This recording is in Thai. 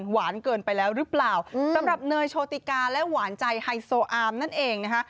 เกินไปแล้วหรือเปล่าสำหรับเนยโชติกาและหวานใจไฮโซอาร์มนั่นเองนะคะ